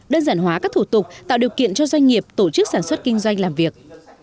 đơn giản hóa các thủ tục tạo điều kiện cho doanh nghiệp tổ chức sản xuất kinh doanh làm việc